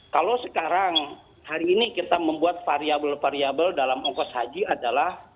kalau sekarang hari ini kita membuat variable variable dalam ongkos haji adalah